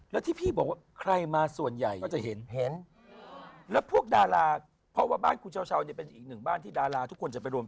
เคยมีดาราคนไหนเจอบ้างไหม